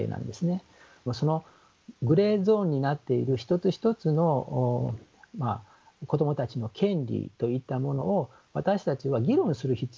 そのグレーゾーンになっている一つ一つの子どもたちの権利といったものを私たちは議論する必要があるだろうと。